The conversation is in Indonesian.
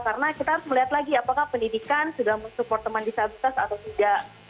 karena kita harus melihat lagi apakah pendidikan sudah mensupport teman disabilitas atau tidak